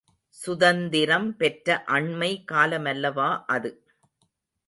சுதந்திரம் பெற்ற அண்மை காலமல்லவா அது.